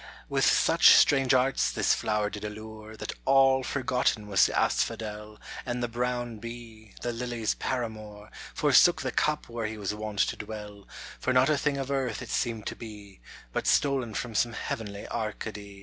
With such strange arts this flower did allure That all forgotten was the asphodel, And the brown bee, the lily's paramour, Forsook the cup where he was wont to dwell, For not a thing of earth it seemed to be, But stolen from some heavenly Arcady.